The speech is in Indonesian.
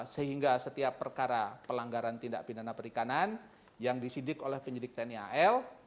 sehingga setiap perkara pelanggaran tindak pidana perikanan yang disidik oleh penyidik tni al